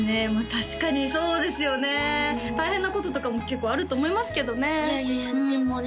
確かにそうですよね大変なこととかも結構あると思いますけどねいやいやいやでもね